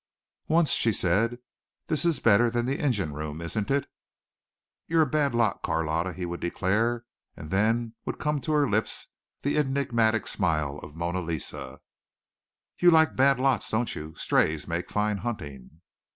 Once she said: "This is better than the engine room, isn't it?" "You're a bad lot, Carlotta," he would declare, and then would come to her lips the enigmatic smile of Monna Lisa. "You like bad lots, don't you? Strays make fine hunting."